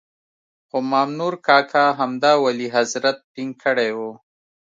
خو مامنور کاکا همدا ولي حضرت ټینګ کړی وو.